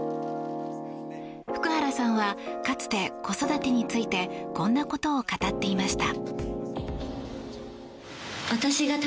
福原さんはかつて子育てについてこんなことを語っていました。